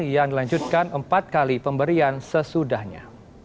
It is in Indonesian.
yang dilanjutkan empat kali pemberian sesudahnya